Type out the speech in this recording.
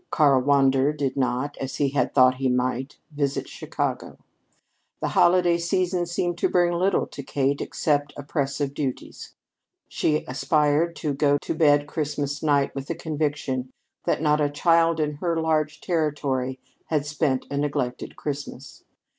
Karl Wander did not as he had thought he might visit Chicago. The holiday season seemed to bring little to Kate except a press of duties. She aspired to go to bed Christmas night with the conviction that not a child in her large territory had spent a neglected Christmas.